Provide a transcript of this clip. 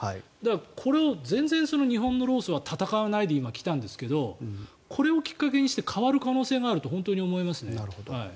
これを全然日本の労組は戦わないで今、来たんですけどこれをきっかけにして変わる可能性があると本当に思いますね。